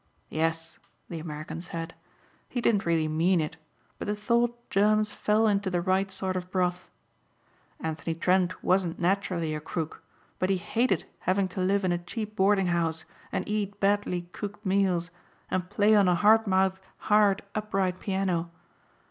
"Yes," the American said, "He didn't really mean it but the thought germs fell into the right sort of broth. Anthony Trent wasn't naturally a crook but he hated having to live in a cheap boarding house and eat badly cooked meals and play on a hard mouthed, hired, upright piano.